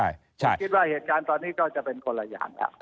ผมคิดว่าเหตุการณ์ตอนนี้ก็จะเป็นคนละอย่างครับ